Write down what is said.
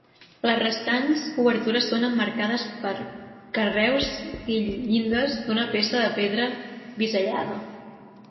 Les restants obertures són emmarcades per carreus i llindes d'una peça de pedra bisellada.